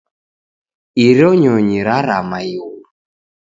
Iro nyonyi rarama ighu.